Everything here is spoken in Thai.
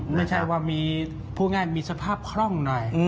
ไม่ใช่ว่ามีพูดง่ายมีสภาพคล่องหน่อย